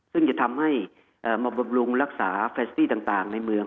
ซึ่งจะทำให้มาบำรุงรักษาแฟสตี้ต่างในเมือง